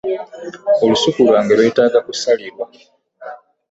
Olusuku lwange lwetaaga kusalirwa.